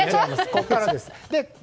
ここからです。